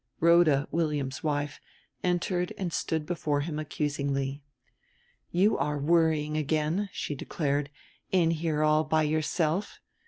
Rhoda, William's wife, entered and stood before him accusingly. "You are worrying again," she declared; "in here all by yourself.